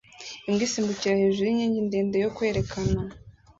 Imbwa isimbukira hejuru yinkingi ndende yo kwerekana